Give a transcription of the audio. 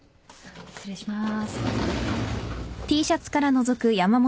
失礼します。